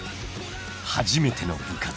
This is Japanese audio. ［初めての部活］